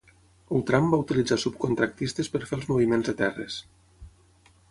Outram va utilitzar subcontractistes per fer els moviments de terres.